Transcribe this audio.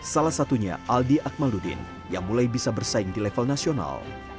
salah satunya aldi akmaludin yang mulai bisa bersaing di level nasional